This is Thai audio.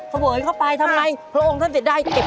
เสวยเข้าไปทำไมพระองค์ท่านเสียดาย